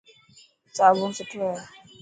صابڻ سٺو هي.